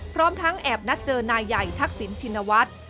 พร้อมทั้งแอบนัดเจอนายใหญ่ทักษิณชินวัฒน์